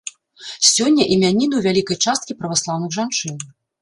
Сёння імяніны ў вялікай часткі праваслаўных жанчын.